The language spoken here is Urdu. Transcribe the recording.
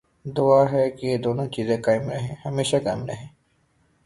دعا ہے کہ یہ دونوں چیزیں ہمیشہ قائم رہیں۔